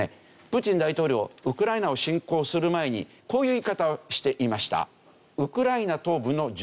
プーチン大統領ウクライナを侵攻する前にこういう言い方していました。